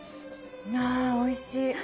あおいしい。